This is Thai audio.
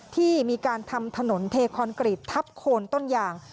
ที่มีการทำถนนเทคอนกรีตทับโคนต้นยาง